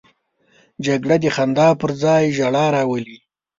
جګړه د خندا پر ځای ژړا راولي